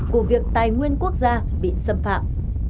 của việc tài nguyên quốc gia bị xâm phạm